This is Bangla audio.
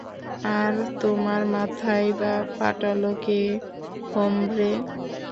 আর তোমার মাথাই বা ফাটালো কে, হোমব্রে?